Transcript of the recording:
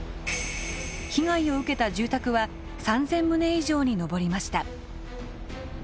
被害を受けた住宅は３，０００棟以上に上りました。